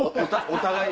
お互い。